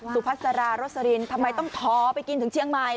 สุภาษาระรสรินทำไมต้องทอไปกินถึงเชียงไหม